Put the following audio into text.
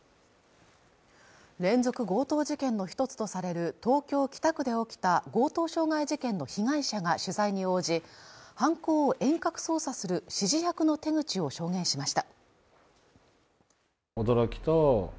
連続強盗事件の一つとされる東京北区で起きた強盗傷害事件の被害者が取材に応じ犯行を遠隔操作する指示役の手口を証言しました